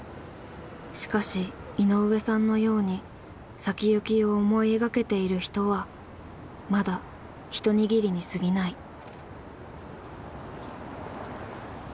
しかし井上さんのように先行きを思い描けている人はまだひと握りにすぎない。